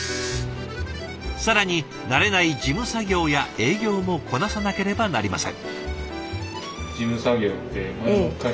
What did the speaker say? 更に慣れない事務作業や営業もこなさなければなりません。